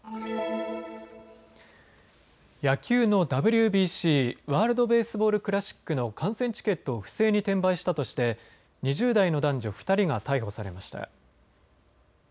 野球のＷＢＣ・ワールド・ベースボール・クラシックの観戦チケットを不正に転売したとして２０代の男女２人が逮捕されました。